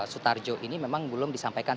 sutarjo ini memang belum disampaikan